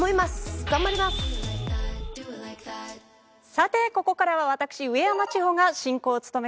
さてここからは私上山千穂が進行を務めさせて頂きます。